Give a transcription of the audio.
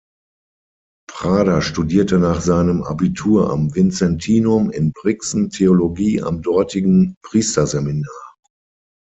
Prader studierte nach seinem Abitur am Vinzentinum in Brixen Theologie am dortigen Priesterseminar.